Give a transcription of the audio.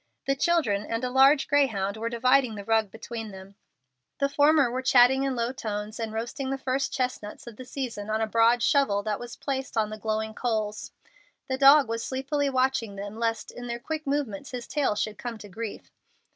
The children and a large greyhound were dividing the rug between them. The former were chatting in low tones and roasting the first chestnuts of the season on a broad shovel that was placed on the glowing coals. The dog was sleepily watching them lest in their quick movements his tail should come to grief.